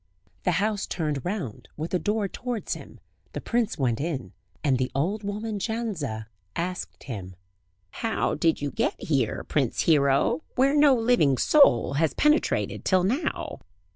The house turned round, with the door towards him; the prince went in, and the old woman Jandza asked him: "How did you get here, Prince Hero, where no living soul has penetrated till now?"